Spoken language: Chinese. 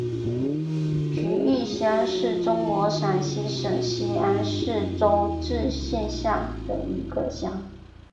竹峪乡是中国陕西省西安市周至县下辖的一个乡。